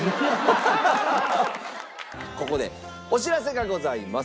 ここでお知らせがございます。